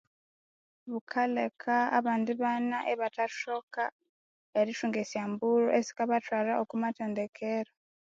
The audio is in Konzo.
Bukaleka abandi bana ibathathoka esya mbulho esikabathwalha okwamathendekero